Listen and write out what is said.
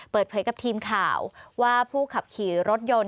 เปิดเผยกับทีมข่าวว่าผู้ขับขี่รถยนต์